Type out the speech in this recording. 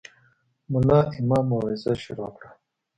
ملا امام موعظه شروع کړه.